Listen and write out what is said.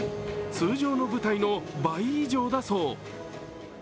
通常の舞台の倍以上だそう。